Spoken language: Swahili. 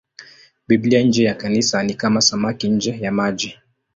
Biblia nje ya Kanisa ni kama samaki nje ya maji.